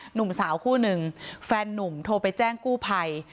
หนุ่มสาวคู่หนึ่งแฟนนุ่มโทรไปแจ้งกู้ภัย